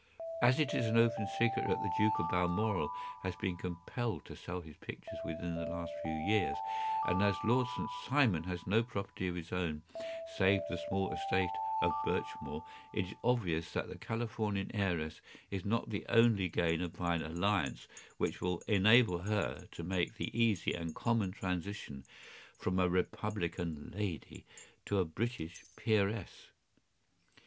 As it is an open secret that the Duke of Balmoral has been compelled to sell his pictures within the last few years, and as Lord St. Simon has no property of his own, save the small estate of Birchmoor, it is obvious that the Californian heiress is not the only gainer by an alliance which will enable her to make the easy and common transition from a Republican lady to a British peeress.